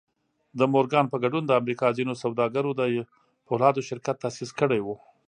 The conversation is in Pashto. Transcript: د مورګان په ګډون د امريکا ځينو سوداګرو د پولادو شرکت تاسيس کړی و.